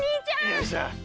よいしょ。